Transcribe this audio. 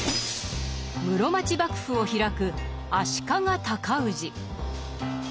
室町幕府を開く足利尊氏。